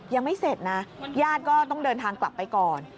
ยังไม่เสร็จนะญาติก็ต้องเดินทางกลับไปก่อน